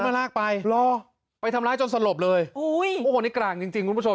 มาลากไปหรอไปทำร้ายจนสลบเลยอุ้ยโอ้โหนี่กลางจริงจริงคุณผู้ชม